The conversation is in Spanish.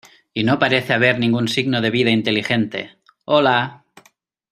Y no parece haber ningún signo de vida inteligente. ¡ Hola!